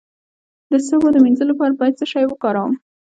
د سږو د مینځلو لپاره باید څه شی وکاروم؟